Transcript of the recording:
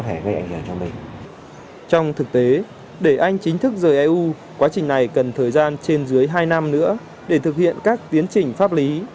trong thực tế để anh chính thức rời eu quá trình này cần thời gian trên dưới hai năm nữa để thực hiện các tiến trình pháp lý